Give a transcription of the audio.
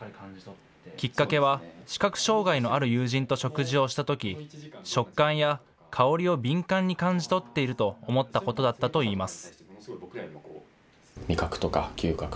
きっかけは視覚障害のある友人と食事をしたとき、食感や香りを敏感に感じ取っていると思ったことだったといいます。